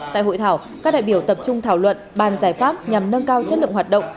tại hội thảo các đại biểu tập trung thảo luận bàn giải pháp nhằm nâng cao chất lượng hoạt động